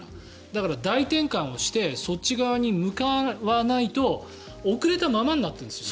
だから大転換をしてそっち側に向かわないと遅れたままになっているんです